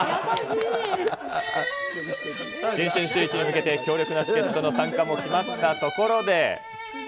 新春シューイチに向けて強力な助っ人の参加も決まったところで。